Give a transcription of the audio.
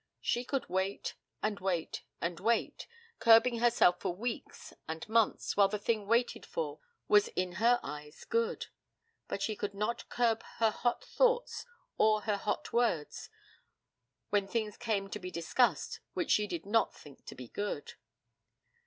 She could wait, and wait, and wait, curbing herself for weeks and months, while the thing waited for was in her eyes good; but she could not curb her hot thoughts or her hot words when things came to be discussed which she did not think to be good.